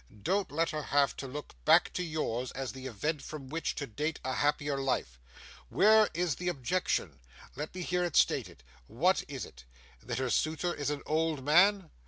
Don't let her have to look back to yours, as the event from which to date a happier life. Where is the objection? Let me hear it stated. What is it? That her suitor is an old man?